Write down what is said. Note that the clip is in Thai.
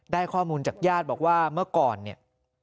ได้ข้อมูลจากญาติบอกว่าเมื่อก่อนเนี่ย